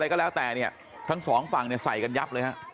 ก็แล้วแต่ทั้งสองฝั่งใส่กันยับเลยครับ